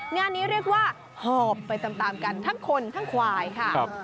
งานนี้เรียกว่าหอบไปตามกันทั้งคนทั้งควายค่ะ